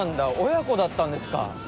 親子だったんですか。